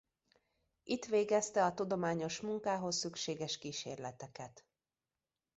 Itt végezte a tudományos munkához szükséges kísérleteket.